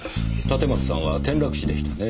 立松さんは転落死でしたね？